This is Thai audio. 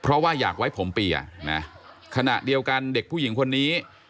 เพราะว่าอยากไว้ผมเปียนะขณะเดียวกันเด็กผู้หญิงคนนี้